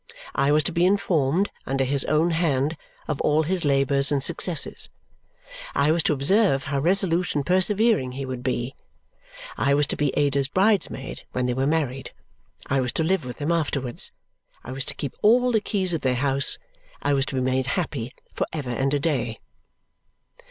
I was to be informed, under his own hand, of all his labours and successes; I was to observe how resolute and persevering he would be; I was to be Ada's bridesmaid when they were married; I was to live with them afterwards; I was to keep all the keys of their house; I was to be made happy for ever and a day.